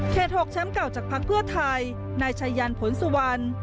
๖แชมป์เก่าจากพักเพื่อไทยนายชัยยันผลสุวรรณ